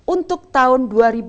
untuk tahun dua ribu dua puluh